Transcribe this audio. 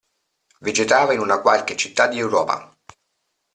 Vegetava in una qualche città di Europa.